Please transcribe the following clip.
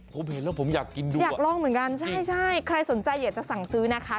ผมเห็นแล้วผมอยากกินด้วยอยากลองเหมือนกันใช่ใช่ใครสนใจอยากจะสั่งซื้อนะคะ